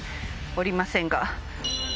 おりませんが。